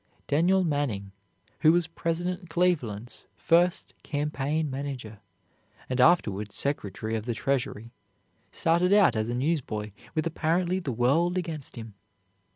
Daniel Manning who was President Cleveland's first campaign manager and afterwards Secretary of the Treasury, started out as a newsboy with apparently the world against him.